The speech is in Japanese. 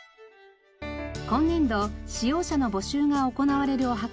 今年度使用者の募集が行われるお墓は２種類。